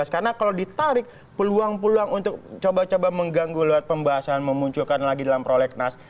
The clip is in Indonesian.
karena kalau ditarik peluang peluang untuk coba coba mengganggu lewat pembahasan memunculkan lagi dalam prolegnas